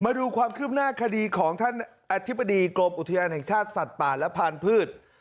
มาดูความคืบหน้าคดีของท่านอธิบดีกรมอุทยานแห่งชาติสัตว์ป่าและพันธุ์